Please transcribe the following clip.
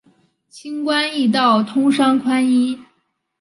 轻关易道，通商宽农